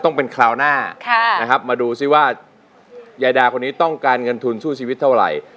ต้องเป็นคราวหน้านะครับมาดูซิว่ายายดาคนนี้ต้องการเงินทุนสู้ชีวิตเท่าไหร่